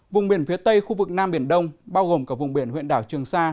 vùng biển phía tây khu vực nam biển đông bao gồm cả vùng biển huyện đảo trường sa